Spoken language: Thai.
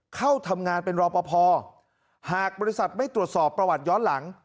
เข้าทำงานเป็นรอปภหากบริษัทไม่ตรวจสอบประวัติย้อนหลัง